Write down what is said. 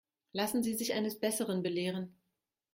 Lassen Sie sich eines Besseren belehren.